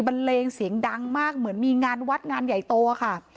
เลงเสียงดังมากเหมือนมีงานวัดงานใหญ่โตค่ะ